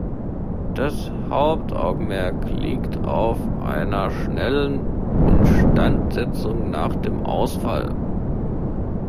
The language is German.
Das Hauptaugenmerk liegt auf einer schnellen Instandsetzung nach dem Ausfall.